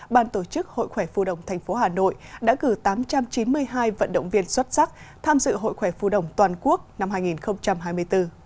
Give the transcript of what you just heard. ban tổ chức hội khỏe phu đồng tp hà nội đã gửi tám trăm chín mươi hai vận động viên xuất sắc tham dự hội khỏe phu đồng toàn quốc năm hai nghìn hai mươi bốn